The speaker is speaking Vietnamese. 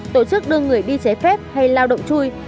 tổ chức đưa người đi trái phép hay lao động chui